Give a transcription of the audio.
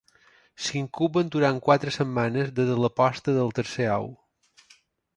S'incuben durant quatre setmanes des de la posta del tercer ou.